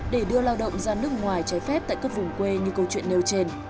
để đưa lao động ra nước ngoài trái phép tại các vùng quê như câu chuyện nêu trên